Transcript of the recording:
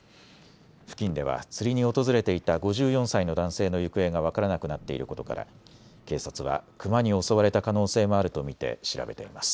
付近では釣りに訪れていた５４歳の男性の行方が分からなくなっていることから警察はクマに襲われた可能性もあると見て調べています。